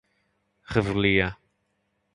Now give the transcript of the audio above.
revelia